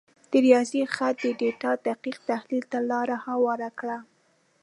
د ریاضي خط د ډیټا دقیق تحلیل ته لار هواره کړه.